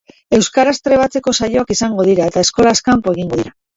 Euskaraz trebatzeko saioak izango dira eta eskolaz kanpo egingo dira.